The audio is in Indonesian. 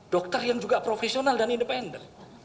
dokter yang juga profesional dan independen